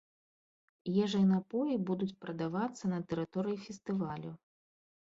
Ежа і напоі будуць прадавацца на тэрыторыі фестывалю.